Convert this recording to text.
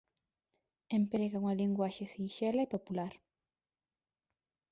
Emprega unha linguaxe sinxela e popular.